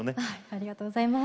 ありがとうございます。